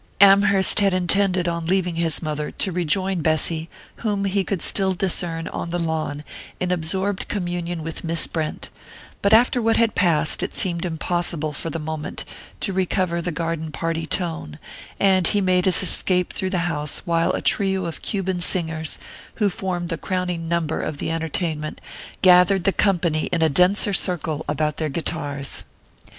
Amherst had intended, on leaving his mother, to rejoin Bessy, whom he could still discern, on the lawn, in absorbed communion with Miss Brent; but after what had passed it seemed impossible, for the moment, to recover the garden party tone, and he made his escape through the house while a trio of Cuban singers, who formed the crowning number of the entertainment, gathered the company in a denser circle about their guitars.